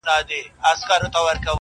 قلم هلته پاچا دی او کتاب پکښي وزیر دی,